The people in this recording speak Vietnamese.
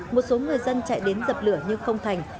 một số người dân chạy đến dập lửa nhưng không thành